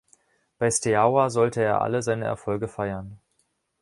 Bei Steaua sollte er alle seine Erfolge feiern.